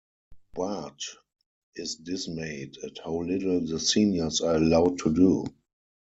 Bart is dismayed at how little the seniors are allowed to do.